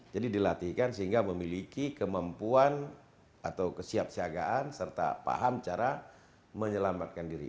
jadi dilatihkan sehingga memiliki kemampuan atau kesiapsiagaan serta paham cara menyelamatkan diri